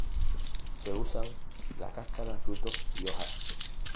Se usan la cáscara, frutos y hojas.